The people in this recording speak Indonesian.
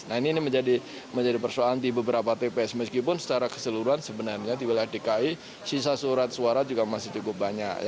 nah ini menjadi persoalan di beberapa tps meskipun secara keseluruhan sebenarnya di wilayah dki sisa surat suara juga masih cukup banyak